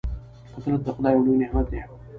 قدرت د خدای یو لوی نعمت دی.